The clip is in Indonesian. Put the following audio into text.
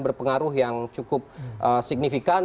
berpengaruh yang cukup signifikan